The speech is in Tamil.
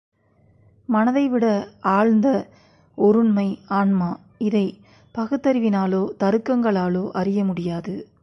மனத்தைவிட ஆழ்ந்த ஒருண்மை ஆன்மா இதைப் பகுத்தறிவினாலோ, தருக்கங்களாலோ அறிய முடியாது.